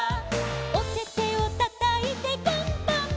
「おててをたたいてパンパンパン」